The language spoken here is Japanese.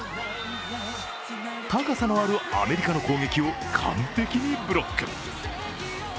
高さのあるアメリカの攻撃を完璧にブロック。